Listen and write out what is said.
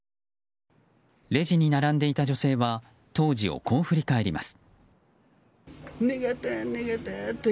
レジに並んでいた女性は当時をこう振り返ります。